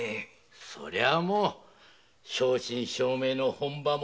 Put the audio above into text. そりゃもう正真正銘の本場物。